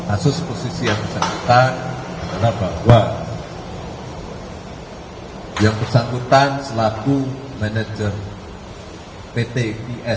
asus posisi yang bersangkutan adalah bahwa yang bersangkutan selaku manajer ptv